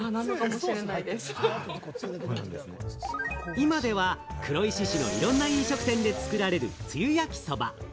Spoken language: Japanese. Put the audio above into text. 今では黒石市のいろんな飲食店で作られるつゆ焼きそば。